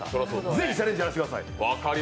ぜひチャレンジやらせてください。